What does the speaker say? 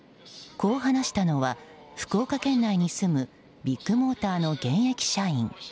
こう話したのは福岡県内に住むビッグモーターの現役社員。